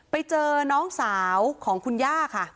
ไปเจอน้องสาวของคุณย่าค่ะ